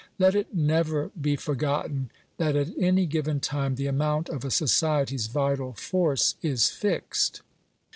Let it never be forgotten that at any given time the amount of a society's vital force is fixed.